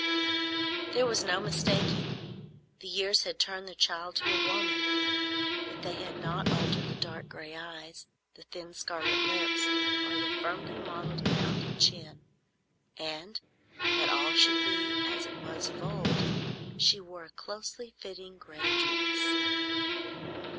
There was no mistaking. The years had turned the child to a woman, but they had not altered the dark gray eyes, the thin scarlet lips, or the firmly modelled mouth and chin; and, that all should be as it was of old, she wore a closely fitting gray dress.